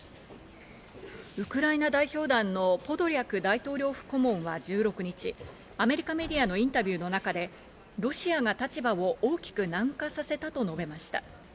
ウクライナ代表団のポドリャク大統領府顧問は１６日、アメリカメディアのインタビューの中でロシアが立場を大きく軟化させたと述べました。